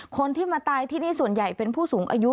คนที่มาตายที่นี่ส่วนใหญ่เป็นผู้สูงอายุ